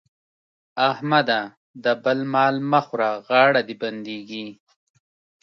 احمده! د بل مال مه خوره غاړه دې بندېږي.